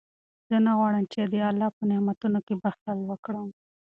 زه نه غواړم چې د الله په نعمتونو کې بخل وکړم.